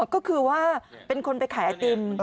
ก็คือว่าเป็นคนไปขายไอติม